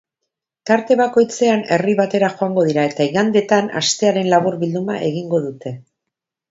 Tarte bakoitzean herri batera joango dira eta igandetan astearen labur bilduma egingo dute.